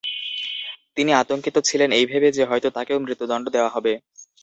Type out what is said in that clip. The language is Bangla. তিনি আতঙ্কিত ছিলেন এই ভেবে যে হয়তো তাকেও মৃত্যুদণ্ড দেয়া হবে।